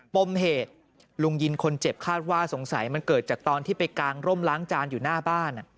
ปมเหตุลุงยินคนเจ็บคาดว่าสงสัยมันเกิดจากตอนที่ไปกางร่มล้างจานอยู่หน้าบ้าน